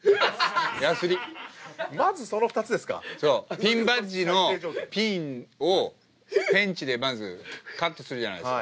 ピンバッジのピンをペンチでまずカットするじゃないですか。